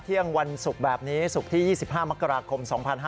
ท่ียังวันศุกร์แบบนี้ศุกร์ที่๒๕มคสังคม๒๕๖๒